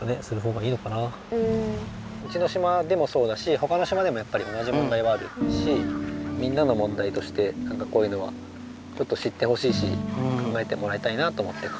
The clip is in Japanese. うちの島でもそうだしほかの島でもやっぱり同じ問題はあるしみんなの問題としてなんかこういうのはちょっと知ってほしいし考えてもらいたいなと思ってここに来てもらいました。